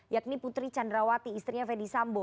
yakni putri candrawati istrinya fedy sambo